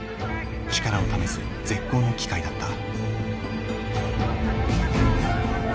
力を試す絶好の機会だった。